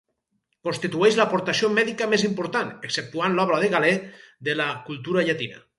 Constitueix l'aportació mèdica més important —exceptuant l'obra de Galè– de la cultura llatina.